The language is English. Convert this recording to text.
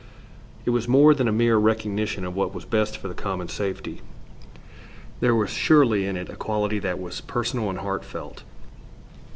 It was more than a mere recognition of what was best for the common safety. There was surely in it a quality that was personal and heartfelt.